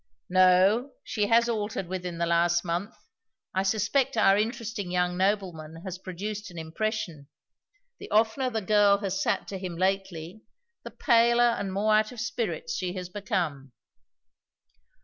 "No. She has altered within the last month. I suspect our interesting young nobleman has produced an impression. The oftener the girl has sat to him lately, the paler and more out of spirits she has become."